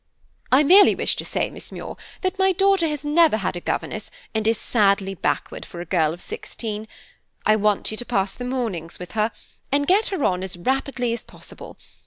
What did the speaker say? "I merely wish to say, Miss Muir, that my daughter has never had a governess and is sadly backward for a girl of sixteen. I want you to pass the mornings with her, and get her on as rapidly as possible.